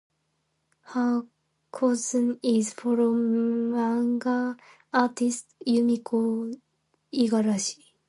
Her cousin is fellow manga artist, Yumiko Igarashi.